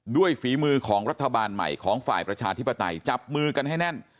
ฝีมือของรัฐบาลใหม่ของฝ่ายประชาธิปไตยจับมือกันให้แน่น